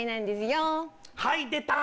はい出た！